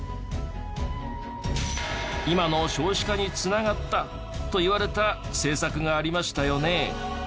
今の少子化に繋がったといわれた政策がありましたよね。